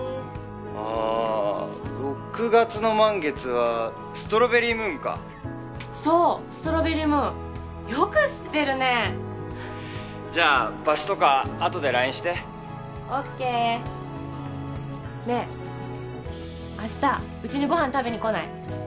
ああ６月の満月はストロベリームーンかそうストロベリームーンよく知ってるねじゃ場所とかあとでＬＩＮＥしてＯＫねえ明日うちにご飯食べにこない？